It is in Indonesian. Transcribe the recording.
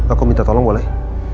aku minta tolong boleh